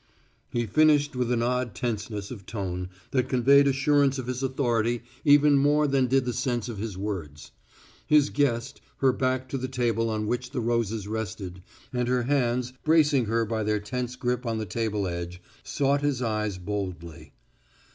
He finished with an odd tenseness of tone that conveyed assurance of his authority even more than did the sense of his words. His guest, her back to the table on which the roses rested and her hands bracing her by their tense grip on the table edge, sought his eyes boldly.